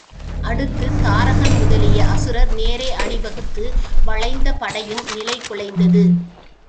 அடுத்துத் தாரகன் முதலிய அசுரர் நேரே அணிவகுத்து வளைந்த படையும் நிலை குலைந்தது.